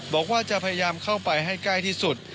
บอกว่าจะพยายามเข้าไปให้ใกล้ที่สุด